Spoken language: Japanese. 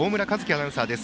アナウンサーです。